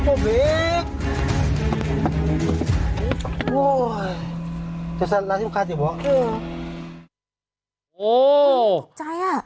โอ้วใจอ่ะ